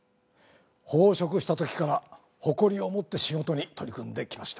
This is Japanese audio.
奉職した時から誇りを持って仕事に取り組んできました。